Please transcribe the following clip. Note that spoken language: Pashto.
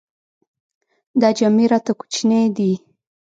دا جامې راته کوچنۍ دي.